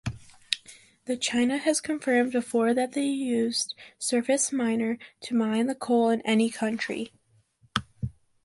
The China has confirmed before that they use surface miner to mine the coal in any country.